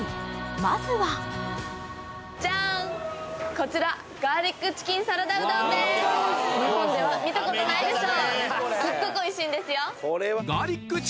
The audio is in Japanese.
まずは日本では見たことないでしょ。